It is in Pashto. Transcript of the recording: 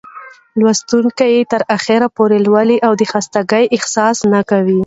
لوستونکى يې تر اخره پورې لولي او د خستګۍ احساس نه کوي.